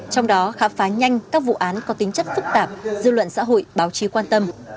trong đó khám phá nhanh các vụ án có tính chất phức tạp dư luận xã hội báo chí quan tâm